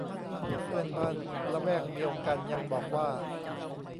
เพื่อนบ้านละแวกเดียวกันยังบอกว่า